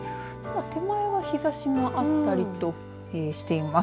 手前は日ざしがあったりとしています。